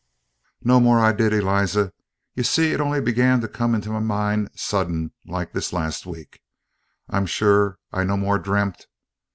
"No more I did, Eliza. You see it on'y began to come into my mind sudden like this last week. I'm sure I no more dreamt